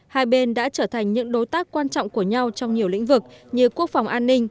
hai bên đã trở thành những đối tác quan trọng của nhau trong nhiều lĩnh vực như quốc phòng an ninh